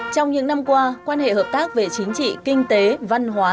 trong những năm qua quan hệ hợp tác về chính trị kinh tế văn hóa